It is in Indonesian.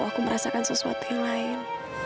aku merasakan sesuatu yang lain